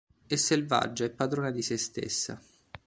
È "selvaggia e padrona di se stessa...